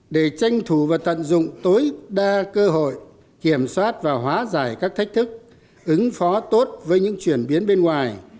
để tranh thủ và tận dụng tối đa cơ hội kiểm soát và hóa giải các thách thức ứng phó tốt với những chuyển biến bên ngoài